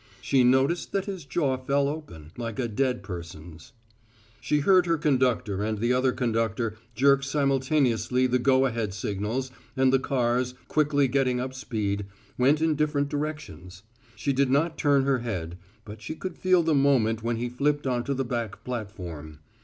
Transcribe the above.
She noticed that his jaw fell open, like a dead person's. She heard her conductor and the other conductor jerk simultaneously the go ahead signals and the cars, quickly getting up speed, went in different directions. She did not turn her head, but she could feel the moment when he flipped onto the back platform.